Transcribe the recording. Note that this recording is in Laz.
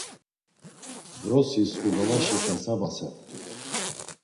Vrosi sǩudalaşi xesabasert̆u.